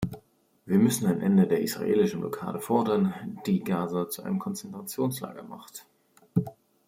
Wir müssen ein Ende der israelischen Blockade fordern, die Gaza zu einem Konzentrationslager macht.